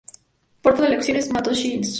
Porto de Leixões, Matosinhos.